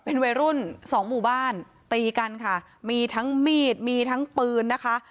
เป็นวัยรุ่นสองหมู่บ้านตีกันค่ะมีทั้งมีดมีทั้งปืนนะคะ